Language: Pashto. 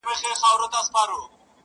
• د زيارتـونو يې خورده ماتـه كـړه،